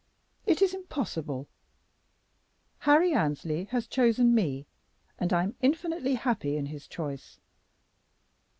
It is impossible. Harry Annesley has chosen me, and I am infinitely happy in his choice."